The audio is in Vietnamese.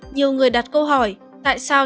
nhiều người đặt câu hỏi tại sao